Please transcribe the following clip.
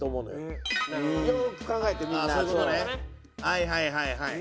はいはいはいはい。